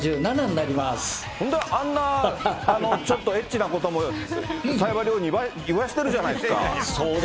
あんなちょっとエッチなことも、冴羽りょうに言わせてるじゃないですか。